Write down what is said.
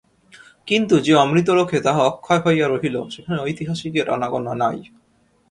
কিন্তু, যে অমৃতলোকে তাহা অক্ষয় হইয়া রহিল সেখানে ঐতিহাসিকের আনাগোনা নাই।